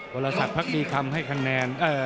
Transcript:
ฝราศักดิ์พรรคดีคำให้คะแนน